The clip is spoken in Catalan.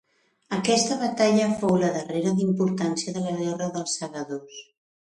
Aquesta batalla fou la darrera d'importància de la Guerra dels Segadors.